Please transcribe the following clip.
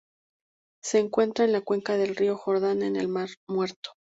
Se encuentra en la cuenca del río Jordán en el mar Muerto.